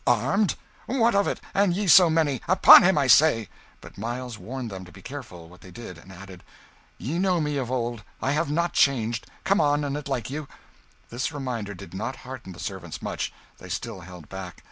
"Armed! What of it, and ye so many? Upon him, I say!" But Miles warned them to be careful what they did, and added "Ye know me of old I have not changed; come on, an' it like you." This reminder did not hearten the servants much; they still held back.